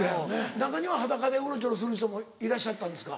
中には裸でうろちょろする人もいらっしゃったんですか？